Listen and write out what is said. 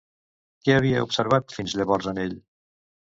Què havia observat fins llavors en ell?